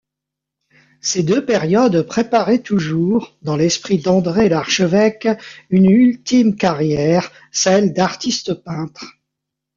Ces deux périodes préparaient toujours, dans l’esprit d’André L’Archevêque, une ultime carrière, celle d’artiste-peintre.